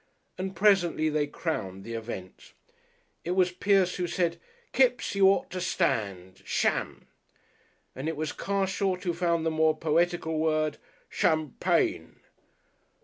And presently they crowned the event. It was Pierce who said, "Kipps, you ought to stand Sham!" And it was Carshot who found the more poetical word, "Champagne."